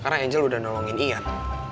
karena angel udah nolongin ian